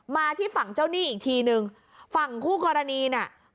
มาที่ฝั่งเจ้าหนี้อีกทีนึงฝั่งคู่กรณีน่ะ